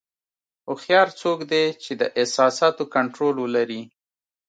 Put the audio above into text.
هوښیار څوک دی چې د احساساتو کنټرول ولري.